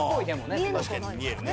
確かに見えるね。